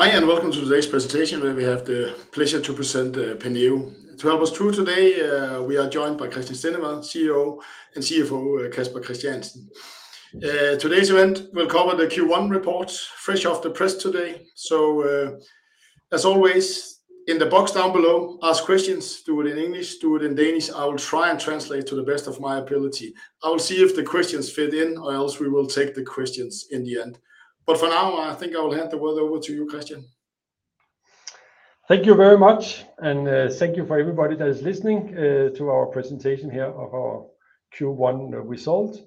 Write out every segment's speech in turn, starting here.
Hi, and welcome to today's presentation where we have the pleasure to present, Penneo. To help us through today, we are joined by Christian Stendevad, CEO, and CFO, Casper Christiansen. Today's event will cover the Q1 report fresh off the press today. As always, in the box down below, ask questions. Do it in English, do it in Danish. I will try and translate to the best of my ability. I will see if the questions fit in, or else we will take the questions in the end. For now, I think I will hand the word over to you, Christian. Thank you very much. Thank you for everybody that is listening to our presentation here of our Q1 result.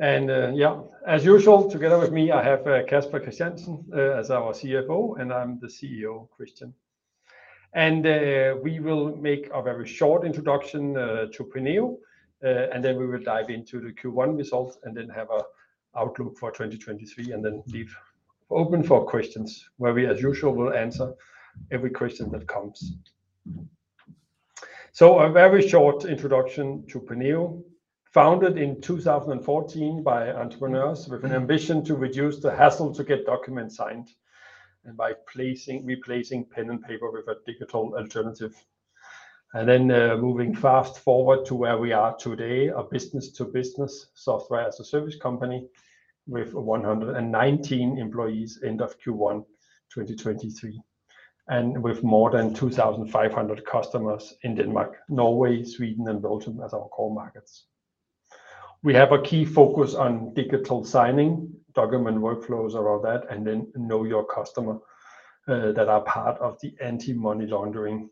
As usual, together with me, I have Casper Christiansen, as our CFO, and I'm the CEO, Christian. We will make a very short introduction to Penneo, and then we will dive into the Q1 results and then have a outlook for 2023 and then leave open for questions where we, as usual, will answer every question that comes. A very short introduction to Penneo. Founded in 2014 by entrepreneurs with an ambition to reduce the hassle to get documents signed and by replacing pen and paper with a digital alternative. Moving fast forward to where we are today, a business-to-business Software as a Service company with 119 employees end of Q1, 2023, and with more than 2,500 customers in Denmark, Norway, Sweden, and Belgium as our core markets. We have a key focus on digital signing, document workflows around that, Know Your Customer that are part of the Anti-Money Laundering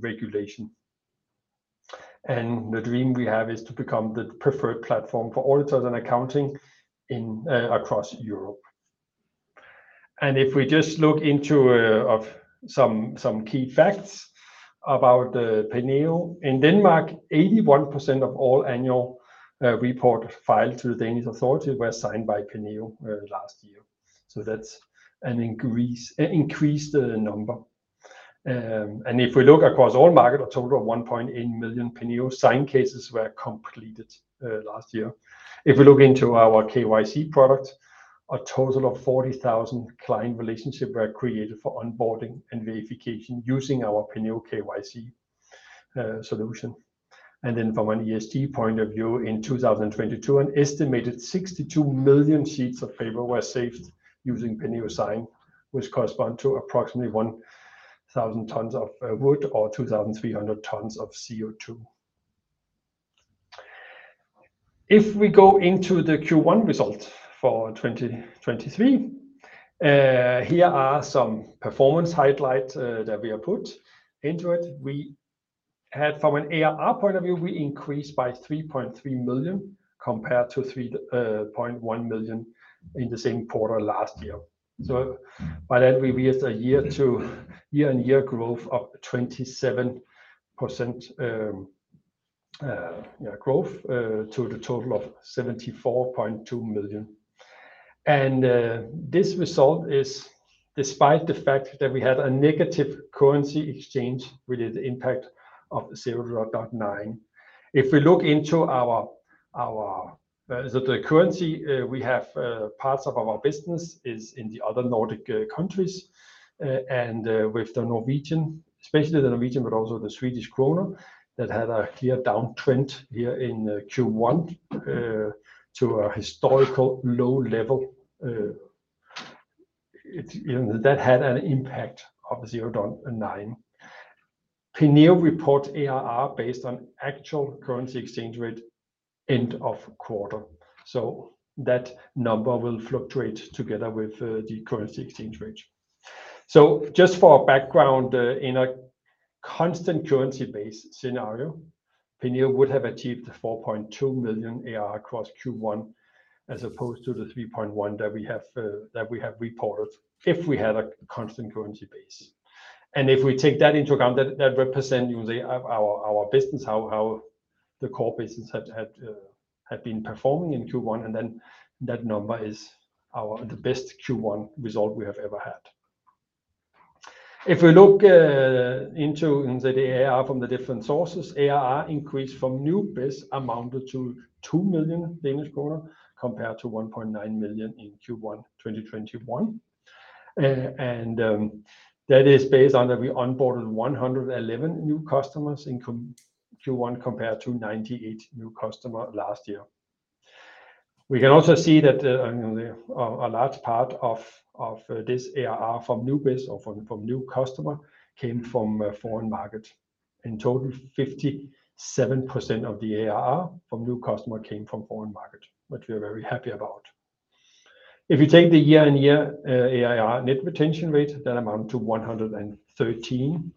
regulation. The dream we have is to become the preferred platform for auditors and accounting across Europe. If we just look into some key facts about Penneo. In Denmark, 81% of all annual report filed to the Danish authorities were signed by Penneo last year. That's an increased number. If we look across all market, a total of 1.8 million Penneo Sign cases were completed last year. If we look into our KYC product, a total of 40,000 client relationship were created for onboarding and verification using our Penneo KYC solution. From an ESG point of view, in 2022, an estimated 62 million sheets of paper were saved using Penneo Sign, which correspond to approximately 1,000 tons of wood or 2,300 tons of CO2. If we go into the Q1 results for 2023, here are some performance highlight that we have put into it. We had from an ARR point of view, we increased by 3.3 million compared to 3.1 million in the same quarter last year. By that, we reached a year to year on year growth of 27% to the total of 74.2 million. This result is despite the fact that we had a negative currency exchange with the impact of 0.9 million. If we look into our currency, we have parts of our business is in the other Nordic countries, and with the Norwegian, especially the Norwegian, but also the Swedish krona that had a clear downtrend here in Q1 to a historical low level, that had an impact of 0.9 million. Penneo report ARR based on actual currency exchange rate end of quarter. That number will fluctuate together with the currency exchange rate. Just for background, in a constant currency base scenario, Penneo would have achieved 4.2 million ARR across Q1 as opposed to 3.1 that we have reported if we had a constant currency base. If we take that into account, that represent usually our business, how the core business had been performing in Q1, and then that number is the best Q1 result we have ever had. If we look in the ARR from the different sources, ARR increase from new business amounted to 2 million Danish kroner compared to 1.9 million in Q1 2021. That is based on that we onboarded 111 new customers in Q1 compared to 98 new customer last year. We can also see that, you know, a large part of this ARR from new biz or from new customer came from foreign market. In total, 57% of the ARR from new customer came from foreign market, which we are very happy about. If you take the year-on-year ARR net retention rate, that amount to 113%.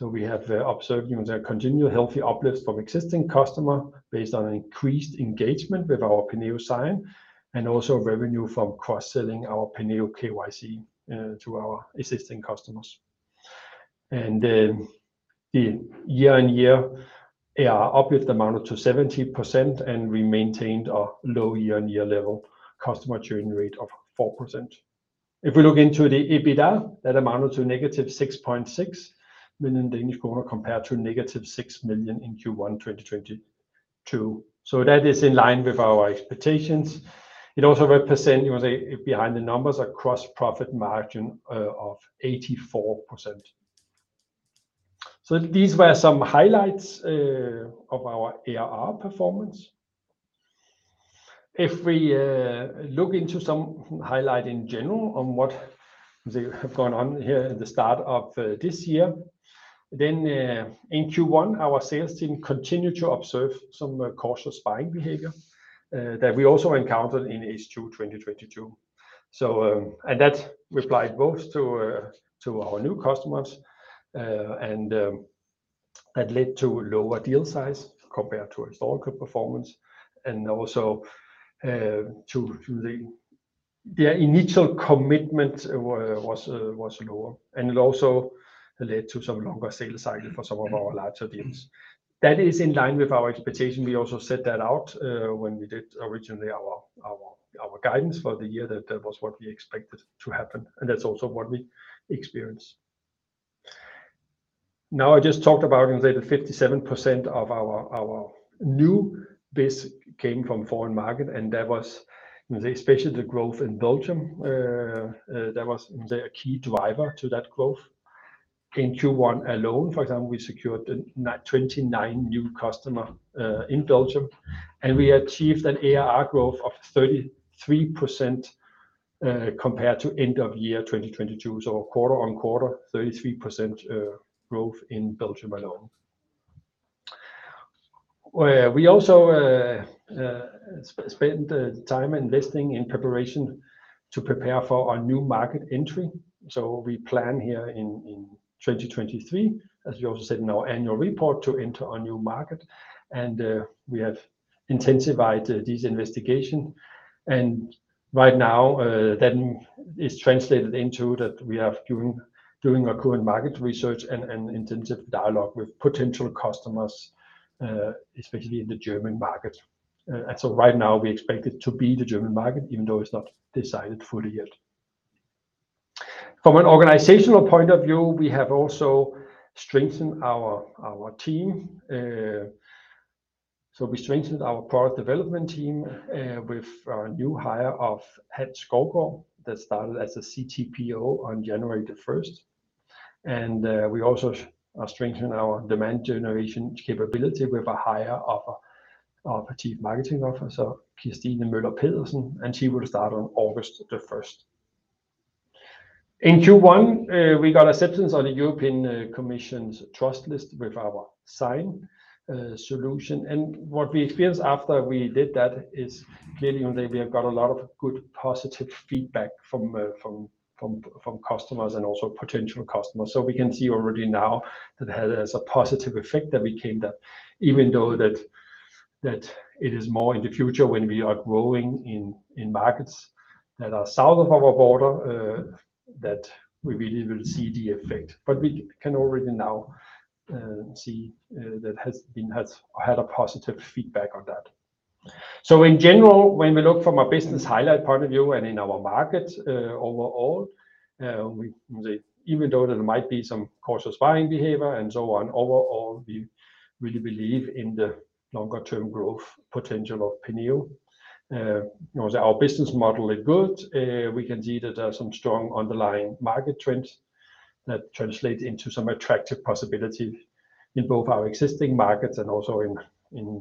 We have observed, you know, continual healthy uplifts from existing customer based on increased engagement with our Penneo Sign and also revenue from cross-selling our Penneo KYC to our existing customers. The year-on-year ARR uplift amount to 70%, and we maintained a low year-on-year level customer churn rate of 4%. If we look into the EBITDA, that amounted to negative 6.6 million Danish kroner compared to negative 6 million in Q1 2022. That is in line with our expectations. It also represent, you know, behind the numbers, a Gross profit margin of 84%. These were some highlights of our ARR performance. If we look into some highlight in general on what they have gone on here in the start of this year, then in Q1, our sales team continued to observe some cautious buying behavior that we also encountered in H2 2022. That applied both to our new customers. That led to lower deal size compared to historical performance and also, Their initial commitment was lower, and it also led to some longer sales cycle for some of our larger deals. That is in line with our expectation. We also set that out when we did originally our guidance for the year that that was what we expected to happen, and that's also what we experienced. Now, I just talked about the 57% of our new base came from foreign market, and that was especially the growth in Belgium that was the key driver to that growth. In Q1 alone, for example, we secured 29 new customer in Belgium, and we achieved an ARR growth of 33% compared to end of year 2022. Quarter-on-quarter, 33% growth in Belgium alone. We also spent time investing in preparation to prepare for our new market entry. We plan here in 2023, as we also said in our annual report, to enter a new market. We have intensified this investigation. Right now, that is translated into that we are doing a current market research and intensive dialogue with potential customers, especially in the German market. Right now we expect it to be the German market, even though it's not decided fully yet. From an organizational point of view, we have also strengthened our team. We strengthened our product development team with our new hire of Hans Skovgaard that started as a CTPO on January 1st. We also are strengthening our demand generation capability with a hire of a Chief Marketing Officer, Kirstine Møller Pedersen, and she will start on August 1st. In Q1, we got acceptance on the European Commission's trust list with our Sign solution. What we experienced after we did that is clearly we have got a lot of good positive feedback from customers and also potential customers. We can see already now that has a positive effect that we came that even though that it is more in the future when we are growing in markets that are south of our border, that we really will see the effect. We can already now see that has had a positive feedback on that. In general, when we look from a business highlight point of view and in our market, overall, even though there might be some cautious buying behavior and so on, overall, we really believe in the longer term growth potential of Penneo. Our business model is good. We can see that there are some strong underlying market trends that translate into some attractive possibilities in both our existing markets and also in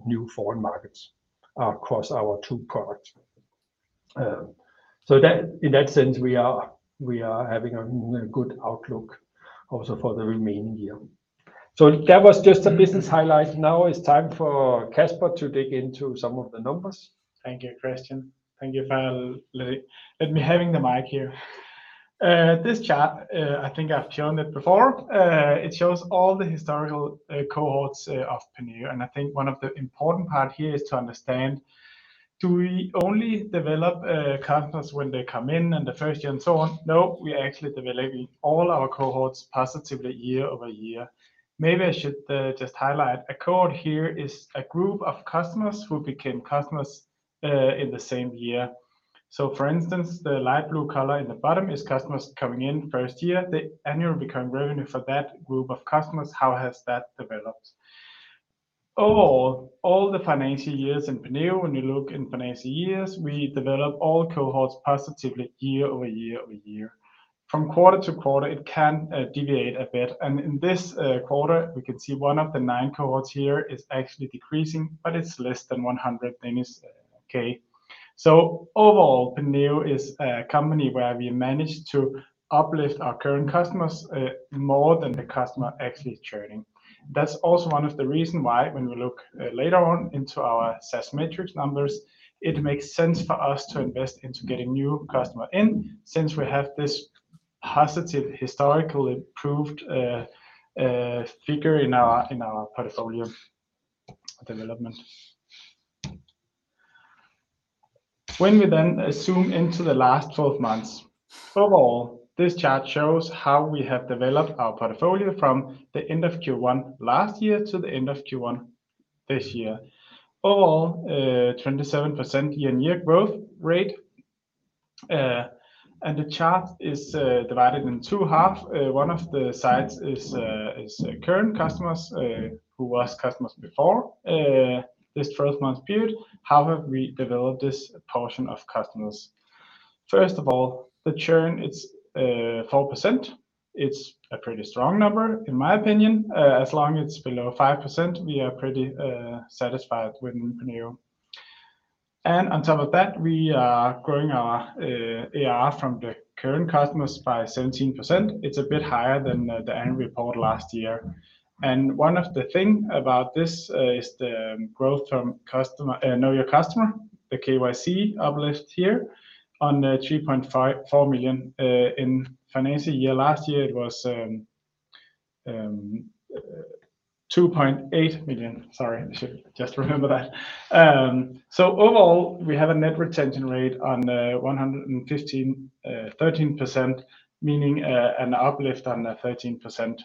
new foreign markets across our two products. In that sense, we are having a good outlook also for the remaining year. That was just a business highlight. Now it's time for Kasper to dig into some of the numbers. Thank you, Christian. Thank you for let me having the mic here. This chart, I think I've shown it before. It shows all the historical cohorts of Penneo. I think one of the important part here is to understand, do we only develop customers when they come in and the first year and so on? No, we are actually developing all our cohorts positively year over year. Maybe I should just highlight a cohort here is a group of customers who became customers in the same year. For instance, the light blue color in the bottom is customers coming in first year. The annual recurring revenue for that group of customers, how has that developed? Overall, all the financial years in Penneo, when you look in financial years, we develop all cohorts positively year over year. From quarter to quarter, it can deviate a bit. In this quarter, we can see one of the nine cohorts here is actually decreasing, but it's less than 100, then it's okay. Overall, Penneo is a company where we manage to uplift our current customers more than the customer actually churning. That's also one of the reason why when we look later on into our SaaS metrics numbers, it makes sense for us to invest into getting new customer in since we have this positive historical improved figure in our portfolio development. When we then zoom into the last 12 months, overall, this chart shows how we have developed our portfolio from the end of Q1 last year to the end of Q1 this year. Overall, 27% year-on-year growth rate. The chart is divided in two half. One of the sides is current customers who was customers before this first month period. How have we developed this portion of customers? First of all, the churn, it's 4%. It's a pretty strong number in my opinion. As long it's below 5%, we are pretty satisfied with new. On top of that, we are growing our AR from the current customers by 17%. It's a bit higher than the annual report last year. One of the thing about this is the growth from customer, know your customer, the KYC uplift here on 3.5 million-4 million. In financial year last year it was 2.8 million. Sorry, I should just remember that. Overall, we have a net retention rate on 13%, meaning an uplift on 13%,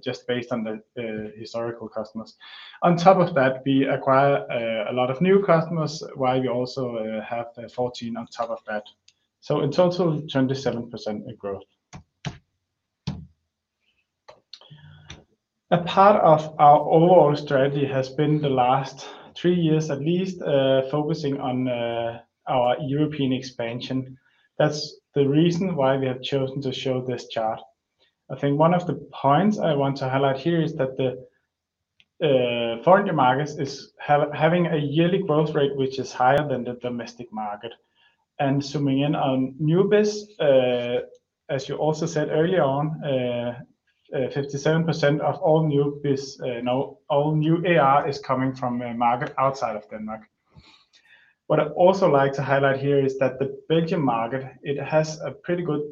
just based on the historical customers. On top of that, we acquire a lot of new customers while we also have 14 on top of that. In total, 27% in growth. A part of our overall strategy has been the last three years at least, focusing on our European expansion. That's the reason why we have chosen to show this chart. I think one of the points I want to highlight here is that the foreign markets is having a yearly growth rate which is higher than the domestic market. Zooming in on new biz, as you also said earlier on, 57% of all new biz, all new AR is coming from a market outside of Denmark. What I'd also like to highlight here is that the Belgian market, it has a pretty good,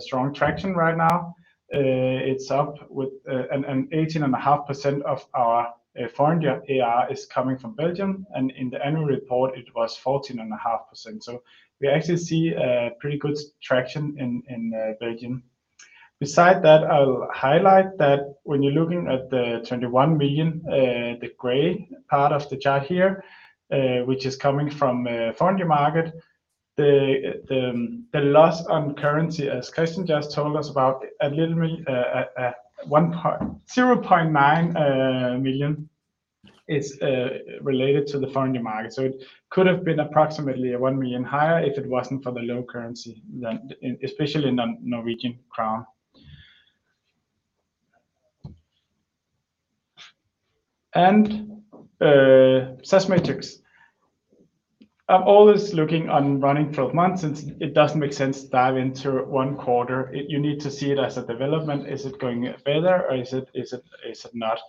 strong traction right now. It's up with 18.5% of our foreign AR is coming from Belgium. In the annual report it was 14.5%. We actually see pretty good traction in Belgium. Beside that, I'll highlight that when you're looking at the 21 million, the gray part of the chart here, which is coming from foreign market, the loss on currency, as Christian just told us about a little, 0.9 million is related to the foreign market. It could have been approximately 1 million higher if it wasn't for the low currency then, especially in the NOK. SaaS metrics. I'm always looking on running 12 months since it doesn't make sense to dive into one quarter. You need to see it as a development. Is it going better or is it not?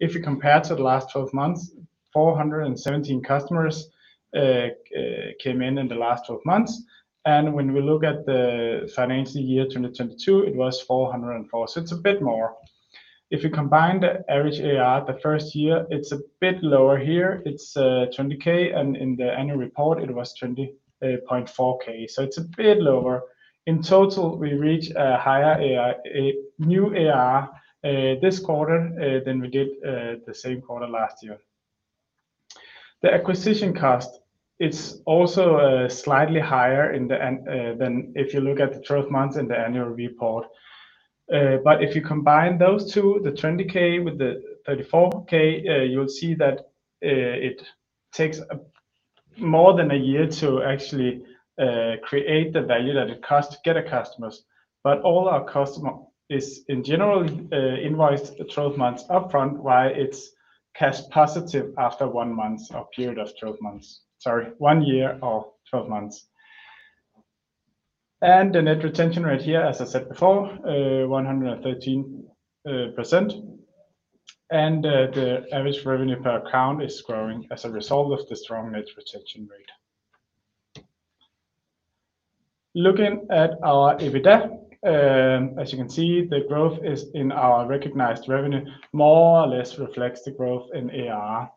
If you compare to the last 12 months, 417 customers came in in the last 12 months. When we look at the financial year 2022, it was 404. It's a bit more. If you combine the average ARR the first year, it's a bit lower here, it's 20 K, and in the annual report it was 20.4 K. It's a bit lower. In total, we reach a higher ARR, a new ARR this quarter than we did the same quarter last year. The acquisition cost, it's also slightly higher in the annual than if you look at the 12 months in the annual report. If you combine those two, the 20 K with the 34 K, you'll see that it takes more than a year to actually create the value that it costs to get the customers. All our customer is in general invoiced the 12 months upfront, while it's cash positive after 1 month or period of 12 months. Sorry, one year or 12 months. The Net Retention Rate here, as I said before, 113%. The average revenue per account is growing as a result of the strong Net Retention Rate. Looking at our EBITDA, as you can see, the growth is in our recognized revenue, more or less reflects the growth in ARR.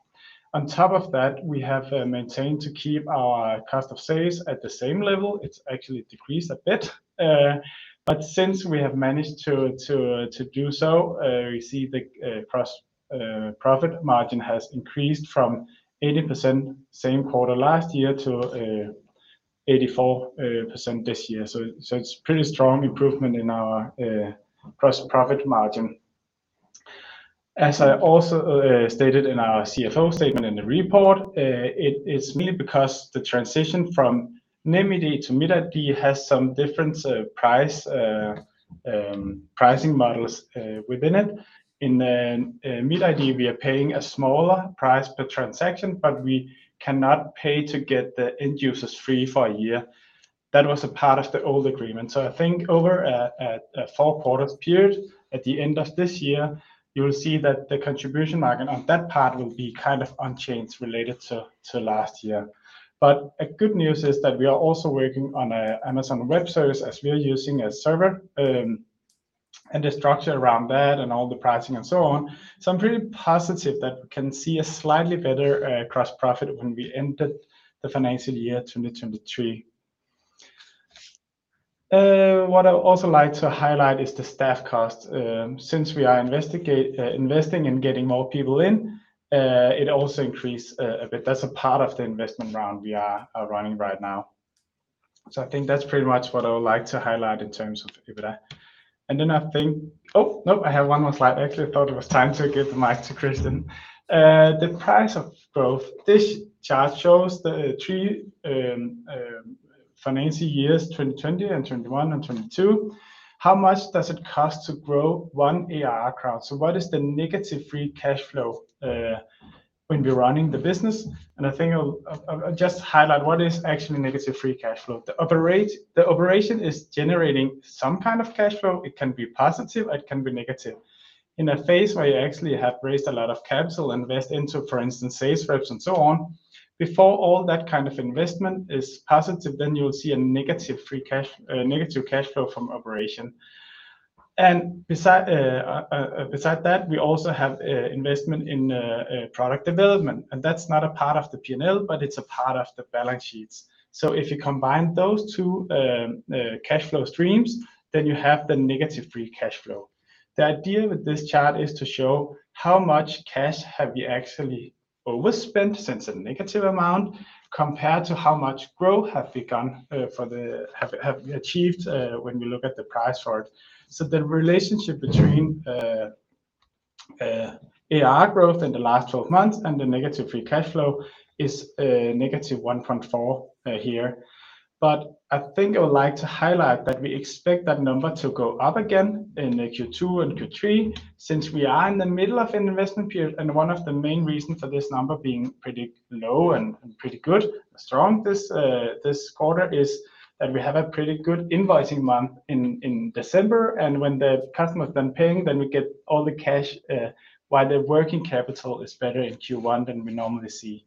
On top of that, we have maintained to keep our cost of sales at the same level. It's actually decreased a bit. Since we have managed to do so, you see the Gross profit margin has increased from 80% same quarter last year to 84% this year. It's pretty strong improvement in our Gross profit margin. As I also stated in our CFO statement in the report, it's mainly because the transition from NemID to MitID has some different price pricing models within it. In MitID, we are paying a smaller price per transaction, but we cannot pay to get the end users free for a year. I think over a four quarters period at the end of this year, you will see that the contribution margin on that part will be kind of unchanged related to last year. A good news is that we are also working on an Amazon Web Services as we are using a server and the structure around that and all the pricing and so on. I'm pretty positive that we can see a slightly better Gross profit when we enter the financial year 2023. What I would also like to highlight is the staff costs. Since we are investing in getting more people in, it also increase a bit. That's a part of the investment round we are running right now. I think that's pretty much what I would like to highlight in terms of EBITDA. Oh, nope, I have 1 more slide. Actually, I thought it was time to give the mic to Christian. The price of growth. This chart shows the 3 financing years, 2020 and 2021 and 2022. How much does it cost to grow 1 ARR crowd? What is the negative free cash flow when we're running the business? I think I'll just highlight what is actually negative free cash flow. The operation is generating some kind of cash flow. It can be positive, it can be negative. In a phase where you actually have raised a lot of capital, invest into, for instance, sales reps and so on, before all that kind of investment is positive, then you'll see a negative free cash, negative cash flow from operation. Beside that, we also have an investment in product development, and that's not a part of the P&L, but it's a part of the balance sheets. If you combine those two cash flow streams, then you have the negative free cash flow. The idea with this chart is to show how much cash have you actually overspent since a negative amount compared to how much growth have we done, have we achieved, when we look at the price for it. The relationship between ARR growth in the last 12 months and the negative free cash flow is -1.4 here. I think I would like to highlight that we expect that number to go up again in the Q2 and Q3 since we are in the middle of an investment period, and one of the main reasons for this number being pretty low and pretty good, strong this quarter is that we have a pretty good invoicing month in December, and when the customer has been paying, then we get all the cash, why the working capital is better in Q1 than we normally see.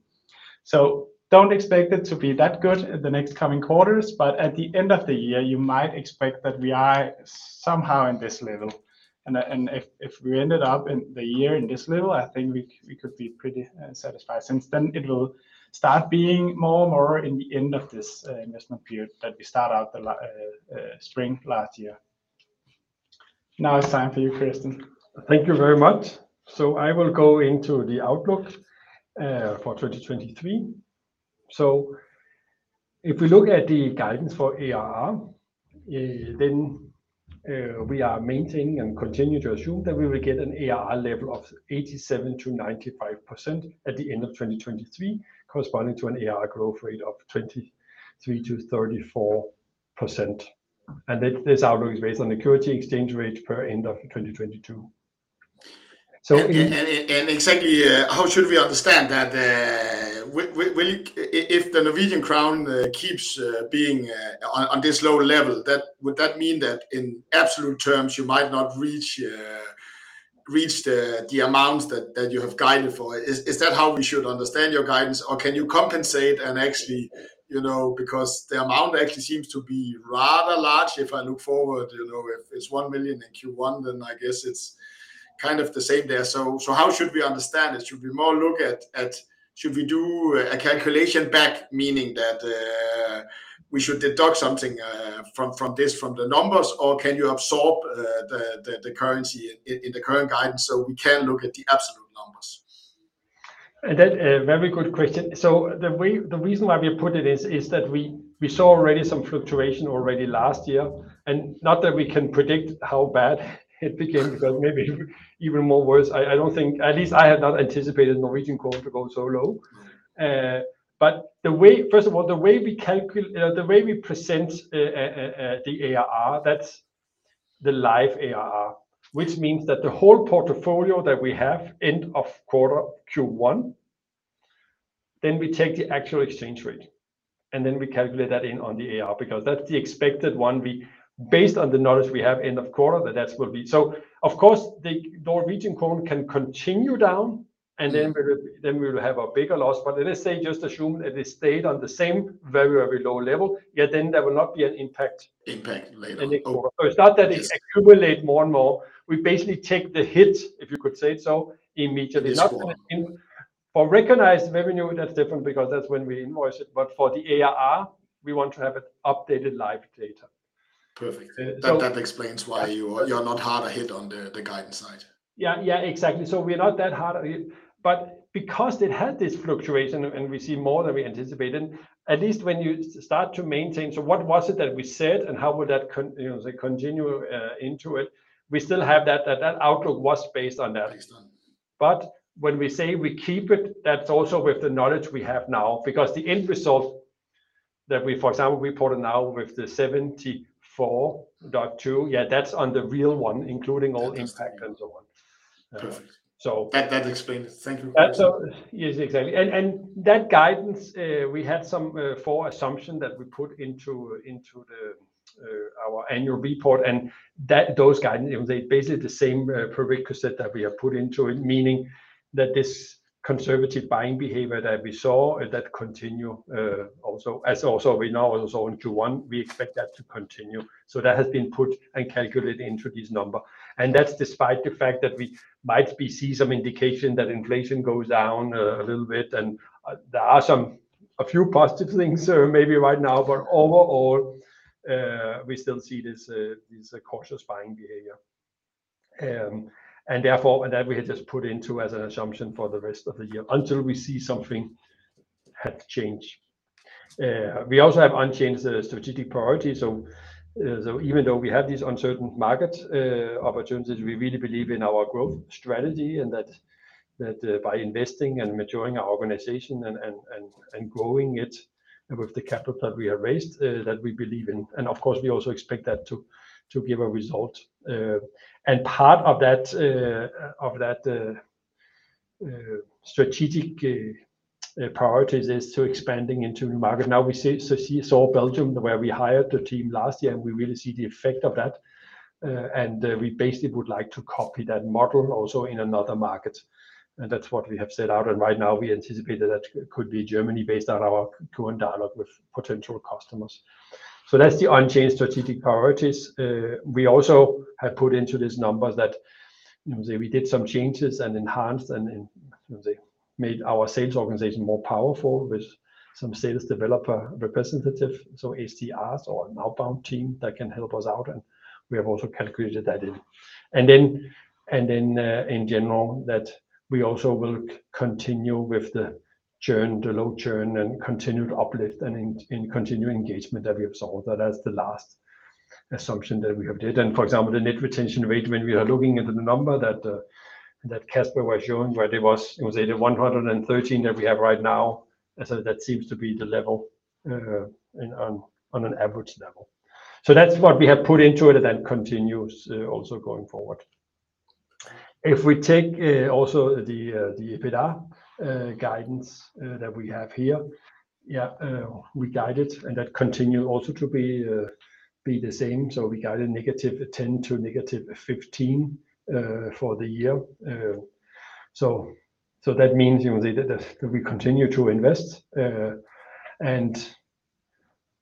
Don't expect it to be that good in the next coming quarters, but at the end of the year, you might expect that we are somehow in this level. If we ended up in the year in this level, I think we could be pretty satisfied since then it will start being more and more in the end of this investment period that we start out the spring last year. Now it's time for you, Christian. Thank you very much. I will go into the outlook for 2023. If we look at the guidance for ARR, then we are maintaining and continue to assume that we will get an ARR level of 87%-95% at the end of 2023, corresponding to an ARR growth rate of 23%-34%. This outlook is based on the currency exchange rate per end of 2022. Exactly, how should we understand that? If the Norwegian crown keeps being on this low level, that, would that mean that in absolute terms you might not reach the amounts that you have guided for? Is that how we should understand your guidance, or can you compensate and actually, you know, because the amount actually seems to be rather large. I look forward, you know, if it's 1 million in Q1, then I guess it's kind of the same there. How should we understand it? Should we do a calculation back, meaning that we should deduct something from this, from the numbers, or can you absorb the currency in the current guidance so we can look at the absolute numbers? That a very good question. The reason why we put it is that we saw already some fluctuation already last year, and not that we can predict how bad it became because maybe even more worse. I don't think, at least I had not anticipated Norwegian crown to go so low. The way, first of all, the way we present the ARR, that's the live ARR, which means that the whole portfolio that we have end of quarter Q1, then we take the actual exchange rate, and then we calculate that in on the ARR because that's the expected one we, based on the knowledge we have end of quarter, that that will be. Of course, the Norwegian crown can continue down, and then we will have a bigger loss. Let's say just assume that it stayed on the same very, very low level, yet then there will not be an impact. Impact later. In the quarter. It's not that it accumulate more and more. We basically take the hit, if you could say it so, immediately. This quarter. For recognized revenue, that's different because that's when we invoice it, but for the ARR, we want to have it updated live data. Perfect. That explains why you're not harder hit on the guidance side. Yeah. Yeah, exactly. We are not that hard hit, but because it had this fluctuation and we see more than we anticipated, at least when you start to maintain, what was it that we said, and how would that you know, continue into it? We still have that outlook was based on that. Based on. When we say we keep it, that's also with the knowledge we have now because the end result that we, for example, reported now with the 74.2, yeah, that's on the real one, including all impact and so on. That's the real one. Perfect. That explains it. Thank you. That's. Yes, exactly. That guidance, we had some four assumption that we put into the our annual report, those guidance, they basically the same prerequisite that we have put into it, meaning that this conservative buying behavior that we saw, that continue, also, as also we know into Q1, we expect that to continue. That has been put and calculated into this number. That's despite the fact that we might be see some indication that inflation goes down a little bit, there are some, a few positive things, maybe right now, but overall, we still see this cautious buying behavior. Therefore, that we had just put into as an assumption for the rest of the year until we see something had changed. We also have unchanged strategic priorities. Even though we have these uncertain market opportunities, we really believe in our growth strategy and that by investing and maturing our organization and growing it with the capital that we have raised that we believe in. Of course, we also expect that to give a result. Part of that of that strategic priorities is to expanding into new market. Now we saw Belgium where we hired a team last year, and we really see the effect of that. We basically would like to copy that model also in another market, and that's what we have set out. Right now we anticipate that that could be Germany based on our current dialogue with potential customers. That's the unchanged strategic priorities. We also have put into these numbers that, you know, we did some changes and enhanced and, you know, made our sales organization more powerful with some sales developer representative, so SDRs or an outbound team that can help us out, and we have also calculated that in. In general, that we also will continue with the churn, the low churn and continued uplift and continuing engagement that we observe. That is the last assumption that we have did. For example, the Net Retention Rate, when we are looking at the number that Kasper was showing, it was either 113 that we have right now, so that seems to be the level on an average level. That's what we have put into it and then continues also going forward. If we take also the EBITDA guidance that we have here, we guide it and that continue also to be the same. We guided -10 to -15 for the year. That means, you know, we continue to invest.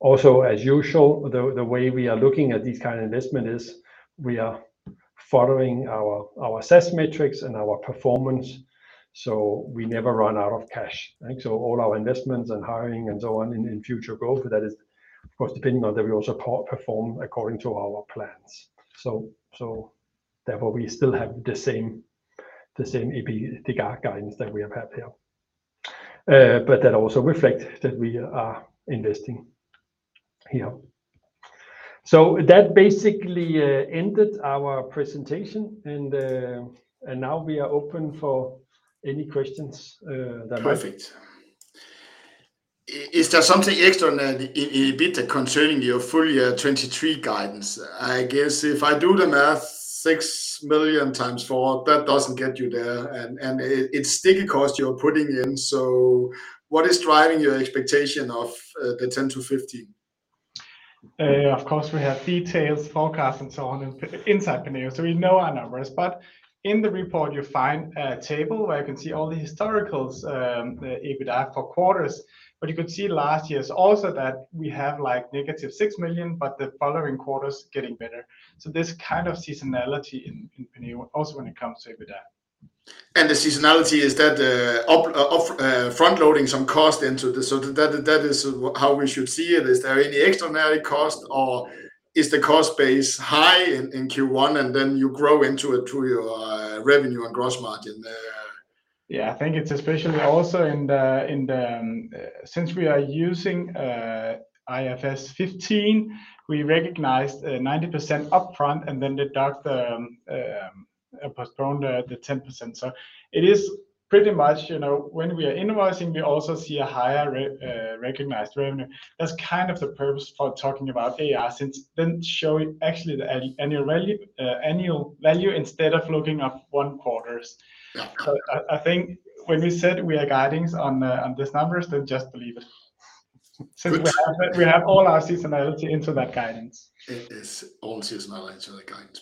Also as usual, the way we are looking at these kind of investment is we are following our assess metrics and our performance, so we never run out of cash, right? All our investments and hiring and so on in future growth, that is of course depending on that we also perform according to our plans. Therefore we still have the same EBITDA guidance that we have had here. That also reflect that we are investing here. That basically ended our presentation and now we are open for any questions. Perfect. Is there something extraordinary in EBITDA concerning your full year 2023 guidance? I guess if I do the math, 6 million times four, that doesn't get you there and it's sticky cost you're putting in. What is driving your expectation of the 10 million-15 million? Of course we have details, forecasts and so on inside Penneo, so we know our numbers. In the report you find a table where you can see all the historicals, EBITDA for quarters. You could see last year's also that we have like -6 million, but the following quarters getting better. This kind of seasonality in Penneo also when it comes to EBITDA. The seasonality is that front loading some cost into this, so that is how we should see it. Is there any extraordinary cost or is the cost base high in Q1 and then you grow into it through your revenue and gross profit margin there? I think it's especially also in the, since we are using IFRS 15, we recognized 90% upfront and then deduct postponed the 10%. It is pretty much, you know, when we are invoicing, we also see a higher recognized revenue. That's kind of the purpose for talking about AIS, since then showing actually the annual value instead of looking at one quarters. Yeah. I think when we said we are guidings on these numbers, then just believe it. Good. We have all our seasonality into that guidance. It is all seasonality into that guidance.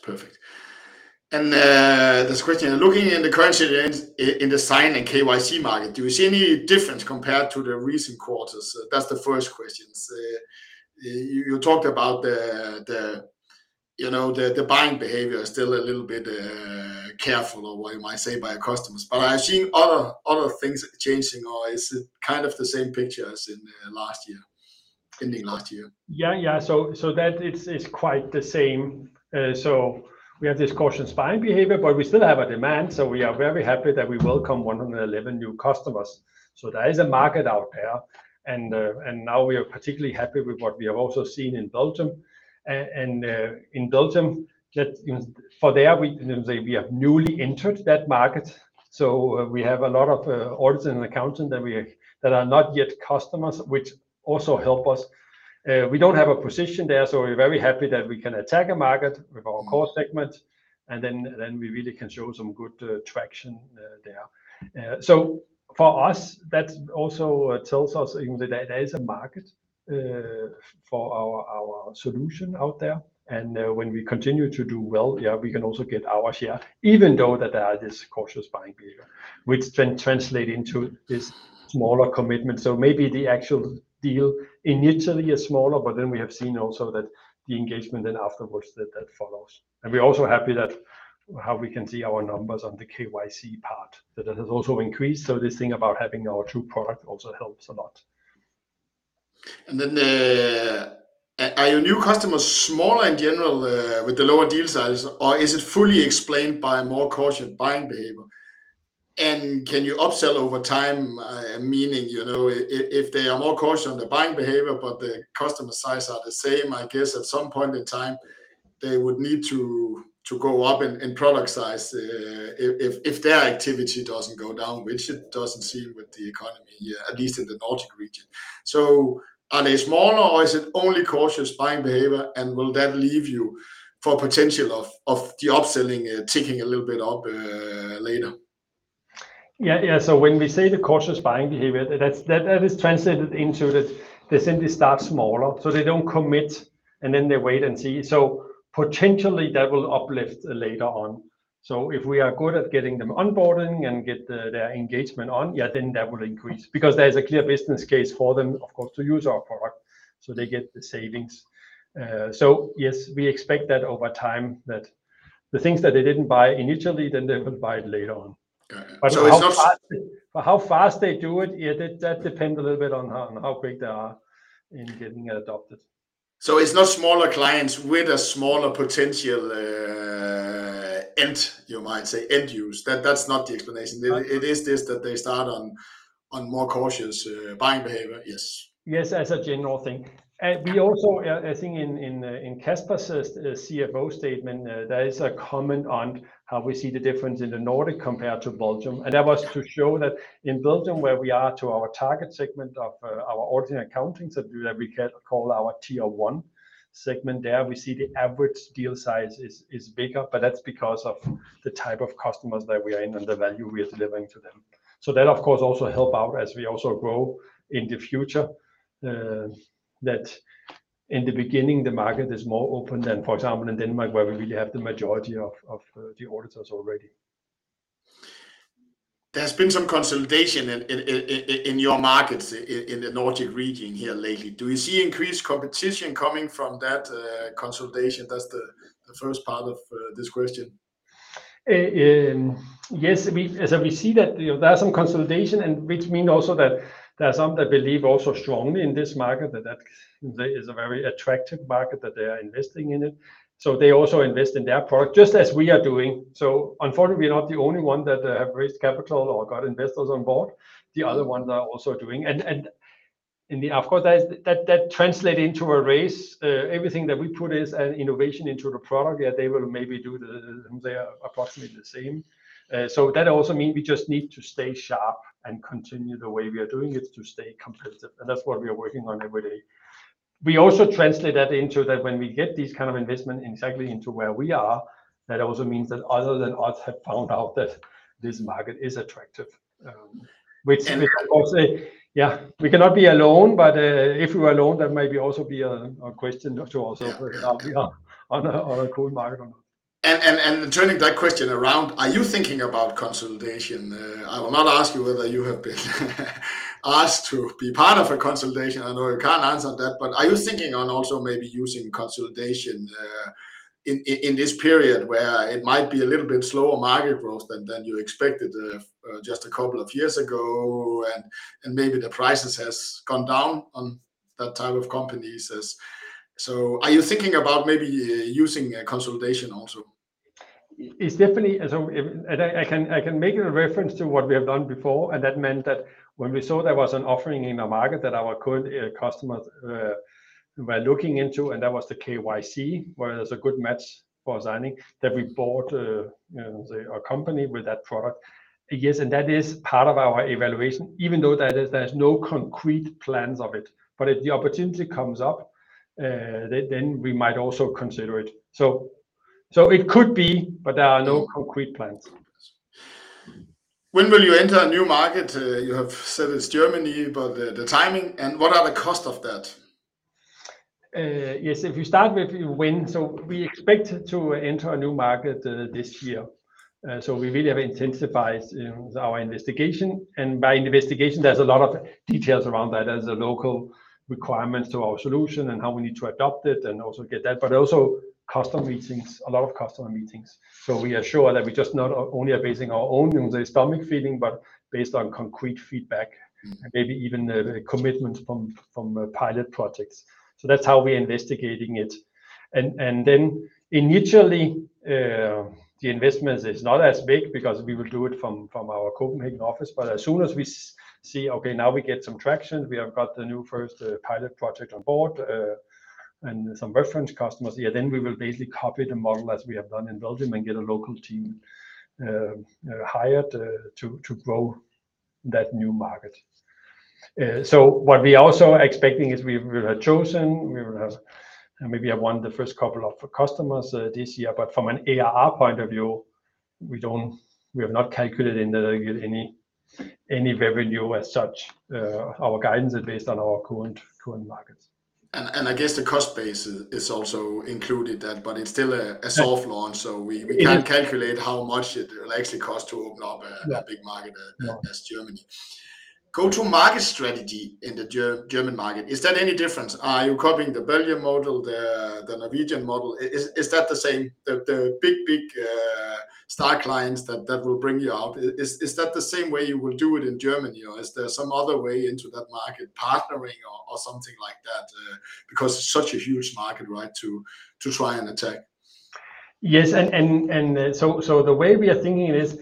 Perfect. This question, looking in the current trends in the sign and KYC market, do you see any difference compared to the recent quarters? That's the first question. You talked about the, you know, the buying behavior is still a little bit careful or what you might say by your customers. Are you seeing other things changing or is it kind of the same picture as in last year, ending last year? Yeah. So that it's quite the same. We have this cautious buying behavior, but we still have a demand. We are very happy that we welcome 111 new customers. There is a market out there, and now we are particularly happy with what we have also seen in Belgium. In Belgium that, you know, for there we, you know, say we have newly entered that market, so we have a lot of audits and accounting that are not yet customers, which also help us. We don't have a position there, we're very happy that we can attack a market with our core segment and then we really can show some good traction there. For us, that also tells us, you know, that there is a market for our solution out there. When we continue to do well, yeah, we can also get our share, even though that there are this cautious buying behavior which then translate into this smaller commitment. Maybe the actual deal initially is smaller, but then we have seen also that the engagement afterwards that follows. We're also happy that how we can see our numbers on the KYC part, that has also increased. This thing about having our true product also helps a lot. Then, are your new customers smaller in general, with the lower deal size or is it fully explained by more caution buying behavior? Can you upsell over time, meaning, you know, if they are more cautious on the buying behavior but the customer size are the same, I guess at some point in time they would need to go up in product size, if their activity doesn't go down, which it doesn't seem with the economy, at least in the Nordic Region. Are they smaller or is it only cautious buying behavior and will that leave you for potential of the upselling ticking a little bit up later? Yeah, yeah. When we say the cautious buying behavior that's translated into that they simply start smaller so they don't commit and then they wait and see. Potentially that will uplift later on. If we are good at getting them onboarding and get their engagement on, then that will increase because there's a clear business case for them, of course, to use our product so they get the savings. Yes, we expect that over time that the things that they didn't buy initially then they will buy it later on. Got it. How fast they do it, yeah, that depend a little bit on how quick they are in getting adopted. It's not smaller clients with a smaller potential, end, you might say, end use. That's not the explanation. No. It is this that they start on more cautious buying behavior. Yes. Yes. As a general thing. We also, I think in Casper's CFO statement, there is a comment on how we see the difference in the Nordic compared to Belgium and that was to show that in Belgium where we are to our target segment of our ordinary accounting that we can call our tier one segment. There we see the average deal size is bigger but that's because of the type of customers that we are in and the value we are delivering to them. That of course also help out as we also grow in the future, that in the beginning the market is more open than, for example, in Denmark where we really have the majority of the auditors already. There's been some consolidation in your markets in the Nordic Region here lately. Do you see increased competition coming from that consolidation? That's the first part of this question. Yes, we, as we see that there's some consolidation and which mean also that there are some that believe also strongly in this market that there is a very attractive market that they are investing in it, so they also invest in their product just as we are doing. Unfortunately we are not the only one that have raised capital or got investors on board, the other ones are also doing. In the, of course that translate into a race. Everything that we put as an innovation into the product, yeah, they will maybe do the, they are approximately the same. That also mean we just need to stay sharp and continue the way we are doing it to stay competitive and that's what we are working on every day. We also translate that into that when we get these kind of investment exactly into where we are, that also means that other than us have found out that this market is attractive, which of course, yeah, we cannot be alone but, if we were alone that might be also be a question to also bring it up. Yeah. On a cool market. Turning that question around, are you thinking about consolidation? I will not ask you whether you have been asked to be part of a consolidation, I know you can't answer that, but are you thinking on also maybe using consolidation in this period where it might be a little bit slower market growth than you expected just a couple of years ago and maybe the prices has gone down on that type of companies. Are you thinking about maybe using a consolidation also? It's definitely. I can make a reference to what we have done before. That meant that when we saw there was an offering in the market that our current customers were looking into and that was the KYC where there's a good match for Zoniq that we bought, you know, say a company with that product. Yes, that is part of our evaluation even though that is there's no concrete plans of it but if the opportunity comes up, then we might also consider it. It could be but there are no concrete plans. When will you enter a new market? You have said it's Germany, but the timing and what are the cost of that? Yes, if you start with when, we expect to enter a new market this year. We really have intensified, you know, our investigation and by investigation there's a lot of details around that as a local requirement to our solution and how we need to adopt it and also get that, but also customer meetings, a lot of customer meetings. We are sure that we just not only are basing our own, you know, stomach feeling but based on concrete feedback and maybe even the commitment from pilot projects. That's how we're investigating it and then initially, the investments is not as big because we will do it from our Copenhagen office but as soon as we see, okay, now we get some traction, we have got the new first pilot project on board, and some reference customers here, then we will basically copy the model as we have done in Belgium and get a local team, hired, to grow that new market. What we also are expecting is we will have chosen, we will have maybe have won the first couple of customers this year but from an ARR point of view we don't, we have not calculated in any revenue as such. Our guidance is based on our current markets. I guess the cost base is also included that but it's still a soft launch. Yeah. We can't calculate how much it will actually cost to open up. Yeah. A big market as Germany. Go-to-market strategy in the German market, is that any different? Are you copying the Belgium model, the Norwegian model? Is that the same? The big Star clients that will bring you up. Is that the same way you will do it in Germany, or is there some other way into that market partnering or something like that, because it's such a huge market, right, to try and attack? Yes. So the way we are thinking is,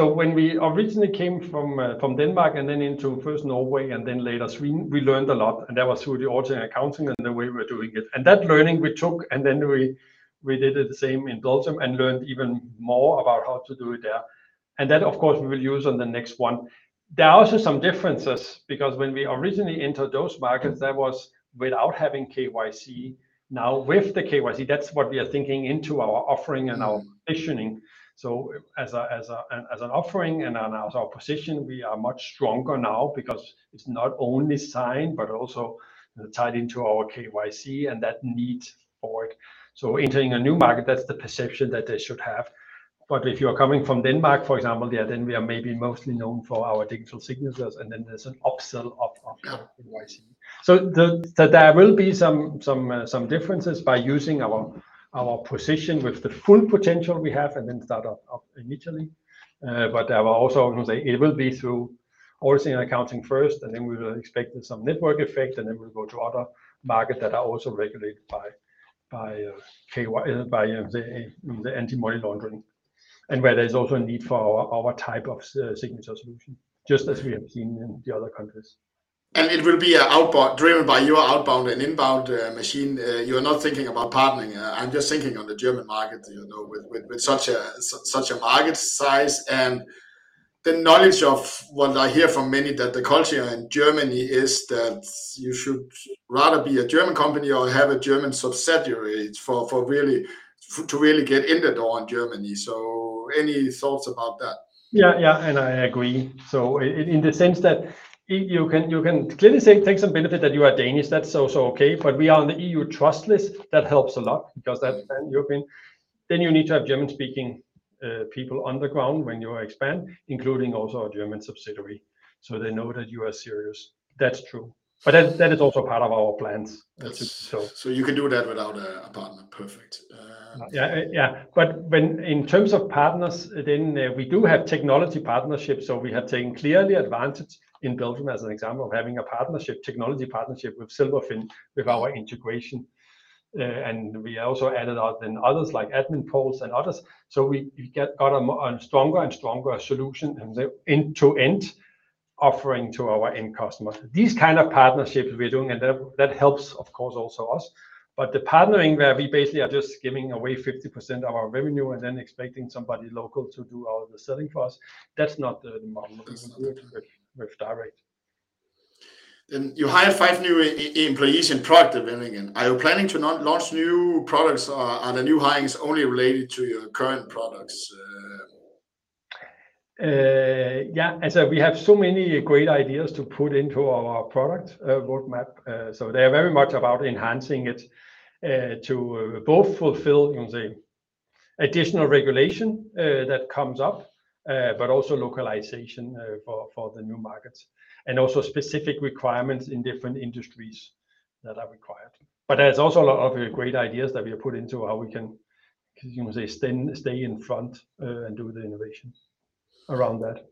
when we originally came from Denmark and then into first Norway and then later Sweden, we learned a lot, that was through the audit and accounting and the way we're doing it. That learning we took, then we did it the same in Belgium and learned even more about how to do it there. Then, of course, we will use on the next one. There are also some differences because when we originally entered those markets, that was without having KYC. Now with the KYC, that's what we are thinking into our offering and our positioning. As an offering and as our position, we are much stronger now because it's not only signed but also tied into our KYC and that need for it. Entering a new market, that's the perception that they should have. If you are coming from Denmark, for example, yeah, then we are maybe mostly known for our digital signatures, and then there's an upsell of KYC. Yeah. There will be some differences by using our position with the full potential we have and then start up initially. There were also, it will be through auditing and accounting first, and then we will expect some network effect, and then we will go to other market that are also regulated by KYC, by the Anti-Money Laundering and where there's also a need for our type of signature solution, just as we have seen in the other countries. It will be outbound, driven by your outbound and inbound machine. You're not thinking about partnering. I'm just thinking on the German market, you know, with such a, such a market size and the knowledge of what I hear from many that the culture in Germany is that you should rather be a German company or have a German subsidiary for really to really get in the door in Germany. Any thoughts about that? Yeah. Yeah. I agree. In the sense that you can clearly say take some benefit that you are Danish, that's also okay. We are on the EU Trusted Lists. That helps a lot because that's then European. You need to have German-speaking people on the ground when you expand, including also a German subsidiary, so they know that you are serious. That's true. That is also part of our plans. You can do that without a partner. Perfect. Yeah. Yeah. When, in terms of partners, we do have technology partnerships. We have taken clearly advantage in Belgium as an example of having a partnership, technology partnership with Silverfin with our integration. We also added on others like AdminPulse and others. We got a stronger and stronger solution and the end-to-end offering to our end customers. These kind of partnerships we're doing, and that helps, of course, also us. The partnering where we basically are just giving away 50% of our revenue and expecting somebody local to do all the selling for us, that's not the model we will do it with StarRed. You hired 5 new employees in product development. Are you planning to launch new products, or are the new hirings only related to your current products? Yeah. As I said, we have so many great ideas to put into our product roadmap. So they are very much about enhancing it to both fulfill, you can say, additional regulation that comes up, but also localization for the new markets and also specific requirements in different industries that are required. But there's also a lot of great ideas that we have put into how we can, you can say, stay in front and do the innovation around that.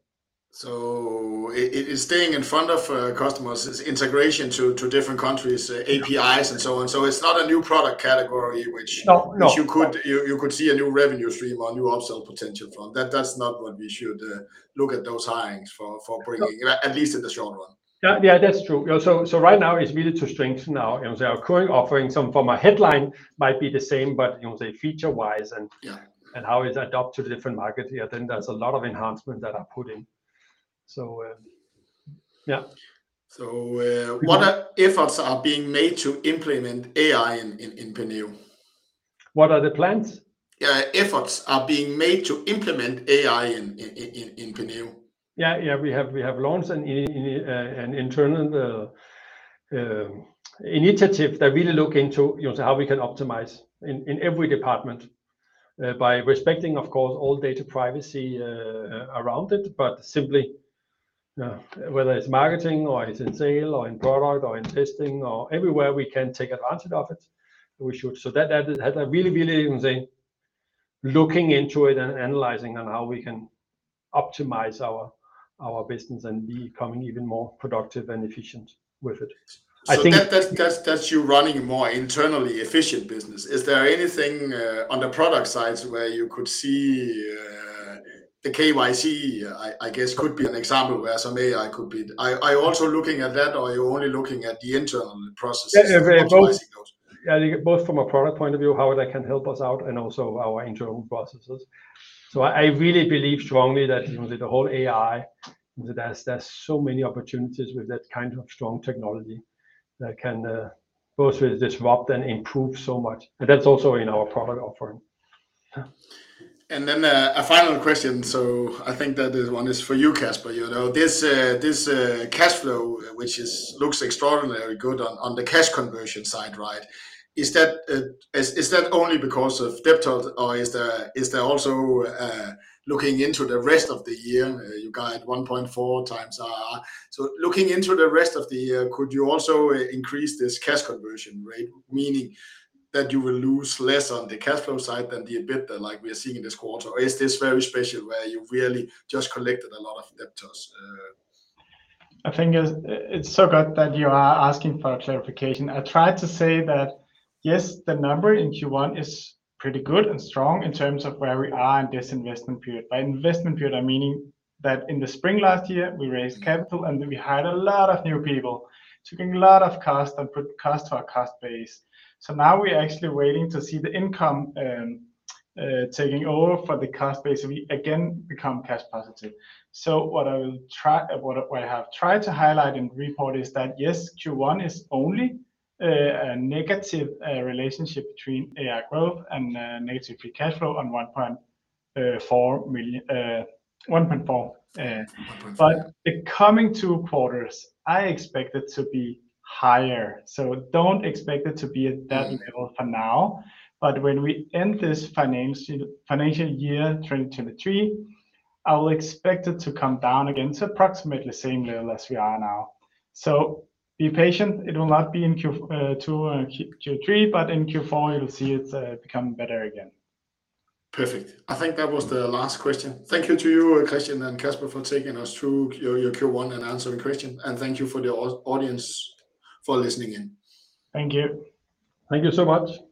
It is staying in front of customers. It's integration to different countries, APIs and so on. It's not a new product category which you could see a new revenue stream or a new upsell potential from. That's not what we should look at those hirings for bringing, at least in the short run. Yeah. Yeah, that's true. Right now it's really to strengthen our, you know, our current offering. Some form of headline might be the same, but, you know, say feature-wise and how it's adopted to different markets. Yeah. There's a lot of enhancements that are put in. Yeah. What efforts are being made to implement AI in Penneo? What are the plans? Yeah. Efforts are being made to implement AI in Penneo. Yeah. Yeah. We have launched an internal initiative that really look into, you know, how we can optimize in every department, by respecting, of course, all data privacy around it, but simply, whether it's marketing or it's in sale or in product or in testing or everywhere we can take advantage of it, we should. That are really, you can say, looking into it and analyzing on how we can optimize our business and becoming even more productive and efficient with it. I think. That's, that's you running a more internally efficient business. Is there anything on the product side where you could see the KYC, I guess, could be an example where some AI could be. Are you also looking at that, or are you only looking at the internal processes? Yeah. And optimizing those? Yeah. Both from a product point of view, how that can help us out, and also our internal processes. I really believe strongly that, you know, the whole AI, that there's so many opportunities with that kind of strong technology that can both disrupt and improve so much. That's also in our product offering. Yeah. A final question. I think that this one is for you, Kasper. You know, this cash flow, which looks extraordinarily good on the cash conversion side, right, is that only because of debtors or is that also looking into the rest of the year, you guide 1.4x IRR. Looking into the rest of the year, could you also increase this cash conversion rate, meaning that you will lose less on the cash flow side than the EBITDA like we are seeing in this quarter? Or is this very special where you really just collected a lot of debtors? I think it's so good that you are asking for clarification. I tried to say that yes, the number in Q1 is pretty good and strong in terms of where we are in this investment period. By investment period, I'm meaning that in the spring last year we raised capital, and we hired a lot of new people, taking a lot of cost and put cost to our cost base. Now we're actually waiting to see the income taking over for the cost base, and we again become cash positive. What I have tried to highlight in the report is that, yes, Q1 is only a negative relationship between AR growth and negative free cash flow on 1.4 million, 1.4. 1.4. The coming two quarters, I expect it to be higher. Don't expect it to be at that level for now. When we end this financial year, 2023, I will expect it to come down again to approximately same level as we are now. Be patient. It will not be in Q2 and Q3, but in Q4 you'll see it become better again. Perfect. I think that was the last question. Thank you to you, Christian and Kasper, for taking us through your Q1 and answering questions. Thank you for the audience for listening in. Thank you. Thank you so much.